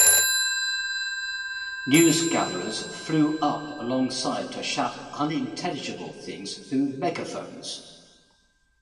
Newsgatherers flew up alongside to shout unintelligible things through megaphones.